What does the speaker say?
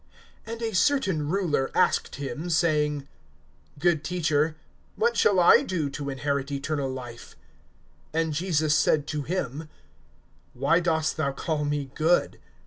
(18)And a certain ruler asked him, saying: Good Teacher, what shall I do to inherit eternal life? (19)And Jesus said to him: Why dost thou call me good?